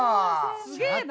すげえな。